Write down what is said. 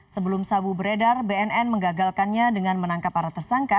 sebelum sabu beredar bnn mengagalkannya dengan menangkap para tersangka